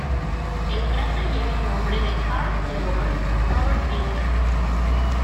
El cráter lleva el nombre de Karl Theodor Robert Luther.